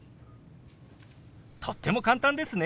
とっても簡単ですね。